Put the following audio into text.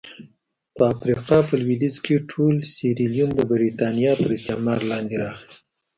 په افریقا په لوېدیځ کې ټول سیریلیون د برېټانیا تر استعمار لاندې راغی.